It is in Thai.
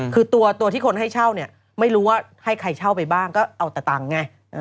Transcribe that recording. คือตัวที่คนให้เช่าเนี่ยไม่รู้ว่าให้ใครเช่าไปบ้างก็เอาแต่ตังค์ไง